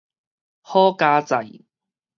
好佳哉